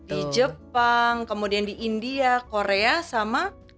di jepang kemudian di india korea sama